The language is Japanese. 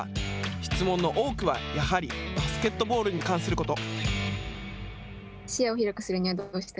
質問の多くは、やはりバスケットボールに関すること。